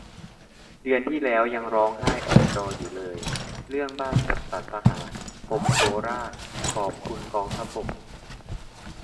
เดือนที่แล้วยังร้องไห้ออกจออยู่เลย เรื่องบ้านจัดสรรทหาร ปมโคราช ขอบคุณกองทัพบก